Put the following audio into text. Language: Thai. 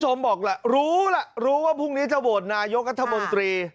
ชมบอกละรู้ละรู้ว่าพรุ่งนี้จะโหวดนายกรัฐบนตรี